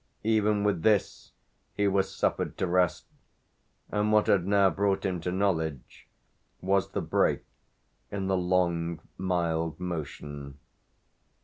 Even with this he was suffered to rest, and what had now brought him to knowledge was the break in the long mild motion.